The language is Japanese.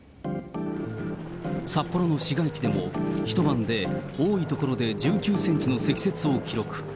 札幌の市街地でも、一晩で多い所で１９センチの積雪を記録。